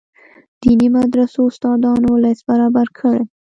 دیني مدرسو استادانو لست برابر کړي.